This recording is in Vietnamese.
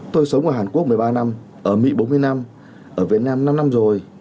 tôi sống ở hàn quốc một mươi ba năm ở mỹ bốn mươi năm ở việt nam năm năm rồi